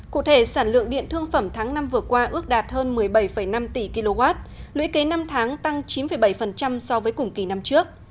cụ thể sản lượng điện thương phẩm tháng năm vừa qua ước đạt hơn một mươi bảy năm tỷ kwh lũy kế năm tháng tăng chín bảy so với cùng kỳ năm trước